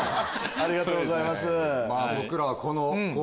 ありがとうございます。